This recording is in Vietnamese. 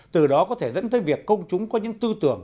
từ đó có thể dẫn tới việc công chúng có những tư tưởng